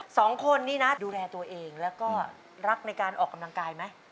สองคนนี้นะดูแลตัวเองแล้วก็รักในการออกกำลังกายไหม